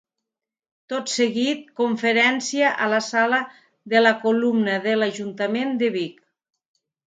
Tot seguit, conferència a la Sala de la Columna de l'Ajuntament de Vic.